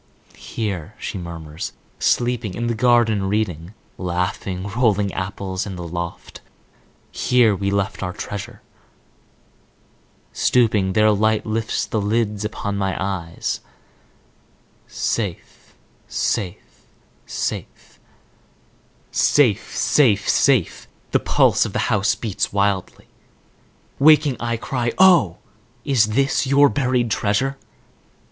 "Here," she murmurs, "sleeping; in the garden reading; laughing, rolling apples in the loft. Here we left our treasure—" Stooping, their light lifts the lids upon my eyes. "Safe! safe! safe!" the pulse of the house beats wildly. Waking, I cry "Oh, is this your buried treasure?